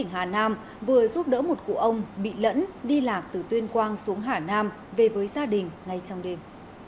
hà nam vừa giúp đỡ một cụ ông bị lẫn đi lạc từ tuyên quang xuống hà nam về với gia đình ngay trong đêm